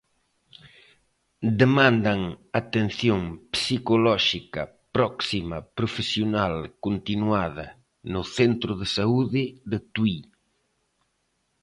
Demandan atención psicolóxica próxima, profesional, continuada, no centro de saúde de Tui.